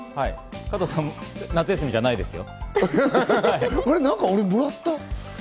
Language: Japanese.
加藤さん、夏休みじゃないですよ。